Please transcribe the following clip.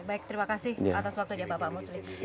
baik terima kasih atas waktu ya bapak muslim